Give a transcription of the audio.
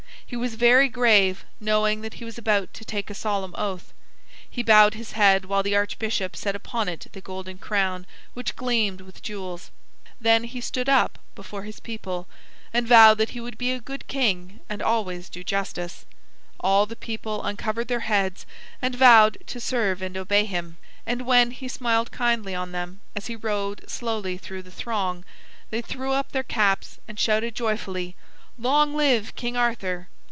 He was very grave, knowing that he was about to take a solemn oath. He bowed his head, while the archbishop set upon it the golden crown, which gleamed with jewels. Then he stood up before his people, and vowed that he would be a good king and always do justice. All the people uncovered their heads and vowed to serve and obey him; and when he smiled kindly on them as he rode slowly through the throng, they threw up their caps and shouted joyfully: "Long live King Arthur!